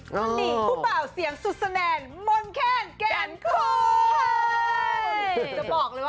นี่ครูเป่าเสียงสุดแสนมนแครนแก่งควี